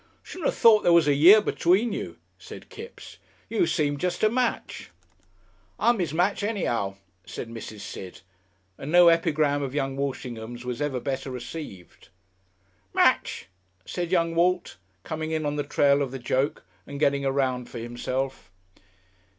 "Shouldn't ha' thought there was a year between you," said Kipps; "you seem jest a match." "I'm his match, anyhow," said Mrs. Sid, and no epigram of young Walshingham's was ever better received. "Match," said young Walt, coming in on the trail of the joke and getting a round for himself.